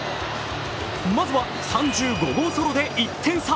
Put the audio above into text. まずは３５号ソロで１点差